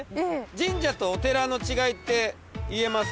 神社とお寺の違いって言えますか？